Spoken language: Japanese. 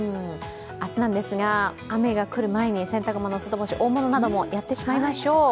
明日なんですが、雨が来る前に洗濯物、外干し大物などもやってしまいましょう。